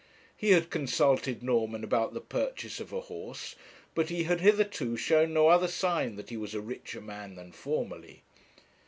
He had consulted Norman about the purchase of a horse, but he hitherto had shown no other sign that he was a richer man than formerly.